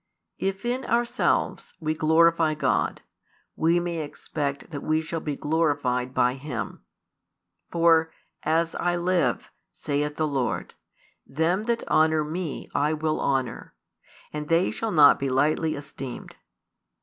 If in ourselves we glorify God, we may expect that we shall be glorified by Him. For, As I live, saith the Lord, them that honour Me I will honour, and they shall not be lightly esteemed.